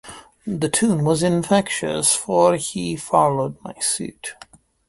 The tune was infectious, for he followed my suit.